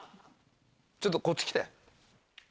ちょっとこっち来て。